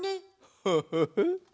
ハハハ。